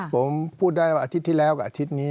ผมพูดได้ว่าอาทิตย์ที่แล้วกับอาทิตย์นี้